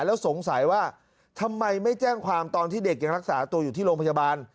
แล้วสงสัยว่าทำไมไม่แจ้งความตอนที่เด็กยังรักษาตัวอยู่ที่โรงพยาบาล